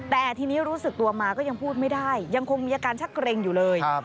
แต่ทีนี้รู้สึกตัวมาก็ยังพูดไม่ได้ยังคงมีอาการชักเกร็งอยู่เลย